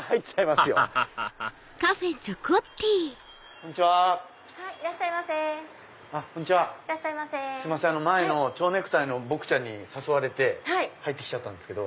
すいません前の蝶ネクタイの僕ちゃんに誘われて入って来ちゃったんですけど。